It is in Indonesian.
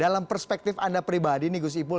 dalam perspektif anda pribadi nih gus ipul